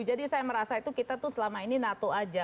jadi saya merasa itu kita tuh selama ini nato aja